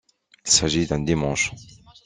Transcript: Il s’agit d’un dimanche.